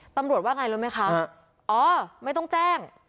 ตำรวจว่าไงรู้ไหมคะอ๋อไม่ต้องแจ้ง